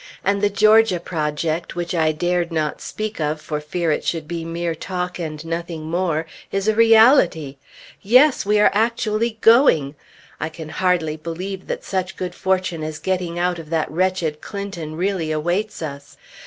And the Georgia project, which I dared not speak of for fear it should be mere talk and nothing more, is a reality. Yes! we are actually going! I can hardly believe that such good fortune as getting out of that wretched Clinton really awaits us.